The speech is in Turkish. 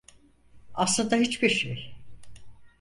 Aslında hiçbir şey.